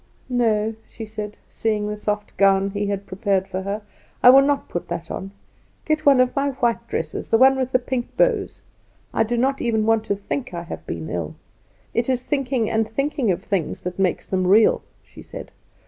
"No," she said, seeing the soft gown he had prepared for her, "I will not put that on. Get one of my white dresses the one with the pink bows. I do not even want to think I have been ill. It is thinking and thinking of things that makes them real," she said.